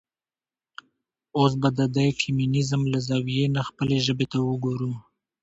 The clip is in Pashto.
اوس به د د فيمينزم له زاويې نه خپلې ژبې ته وګورو.